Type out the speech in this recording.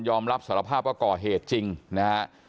ยอมรับสารภาพก็กอเหตุจริงนะครับ